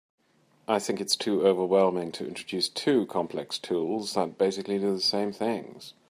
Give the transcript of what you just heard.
I think it’s too overwhelming to introduce two complex tools that basically do the same things.